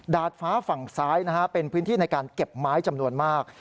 ดาดฟ้าฝั่งซ้ายเป็นพื้นที่ในการเก็บไม้จำนวนมาก